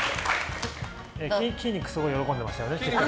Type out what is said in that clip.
筋肉すごい喜んでましたよね。